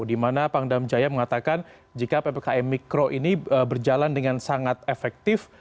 di mana pangdam jaya mengatakan jika ppkm mikro ini berjalan dengan sangat efektif